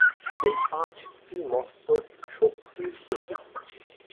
এই পাঁচটি মস্তক শক্তির প্রতীক।